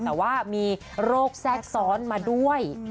แต่ว่ามีโรคแทรกซ้อนมาด้วย